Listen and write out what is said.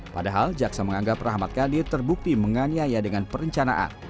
padahal jaksa menganggap rahmat kadir terbukti menganiaya dengan perencanaan